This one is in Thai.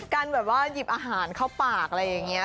แบบว่าหยิบอาหารเข้าปากอะไรอย่างนี้